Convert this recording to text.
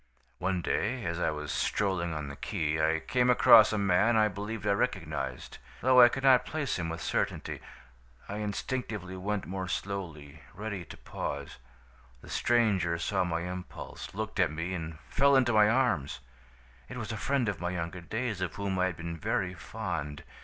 "One day, as I was strolling on the quay, I came across a man I believed I recognized, though I could not place him with certainty. I instinctively went more slowly, ready to pause. The stranger saw my impulse, looked at me, and fell into my arms. "It was a friend of my younger days, of whom I had been very fond.